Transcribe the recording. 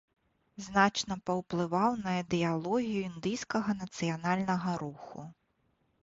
Значна паўплываў на ідэалогію індыйскага нацыянальнага руху.